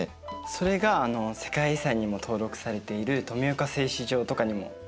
それがあの世界遺産にも登録されている富岡製糸場とかにもつながっていったんですかね。